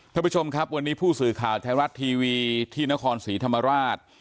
ท่านผู้ชมครับวันนี้ผู้สื่อข่าวไทยรัฐทีวีที่นครศรีธรรมราช